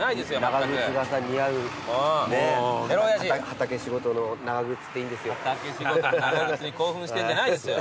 畑仕事の長靴っていいんですよ。